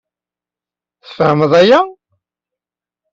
Tfehmem aya?